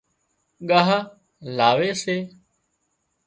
ڳاهَ لاوي سي